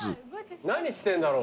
何してんだろう？